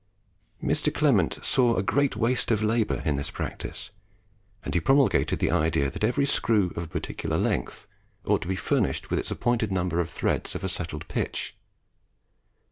Mr. Clement saw a great waste of labour in this practice, and he promulgated the idea that every screw of a particular length ought to be furnished with its appointed number of threads of a settled pitch.